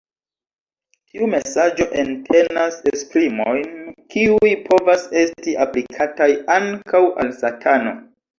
Tiu mesaĝo entenas esprimojn kiuj povas esti aplikataj ankaŭ al Satano.